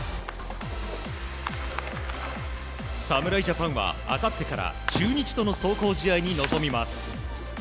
侍ジャパンはあさってから中日との壮行試合に臨みます。